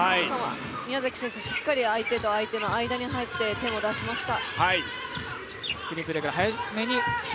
宮崎選手、しっかり相手と相手の間に入って手を出しました。